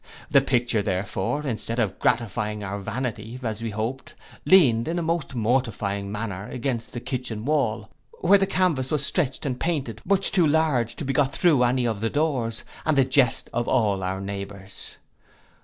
The picture, therefore, instead of gratifying our vanity, as we hoped, leaned, in a most mortifying manner, against the kitchen wall, where the canvas was stretched and painted, much too large to be got through any of the doors, and the jest of all our neighhours.